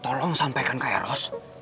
tolong sampaikan ke eros